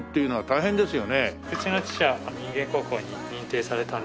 うちの父は人間国宝に認定されたんですけど。